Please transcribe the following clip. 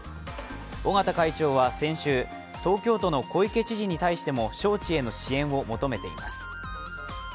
尾縣会長は先週、東京都の小池知事に対しても招致への支援を求めています。